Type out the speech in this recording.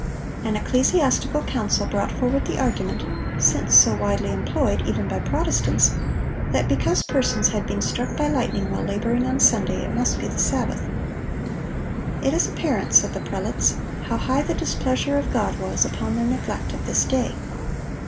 An ecclesiastical council brought forward the argument, since so widely employed, even by Protestants, that because persons had been struck by lightning while laboring on Sunday, it must be the Sabbath. "It is apparent," said the prelates, "how high the displeasure of God was upon their neglect of this day."